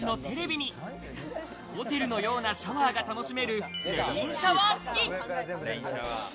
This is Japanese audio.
３２インチのテレビにホテルのようなシャワーが楽しめるレインシャワー付き。